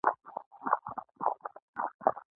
چې ډاکتر عرفان کوټې ته راننوت.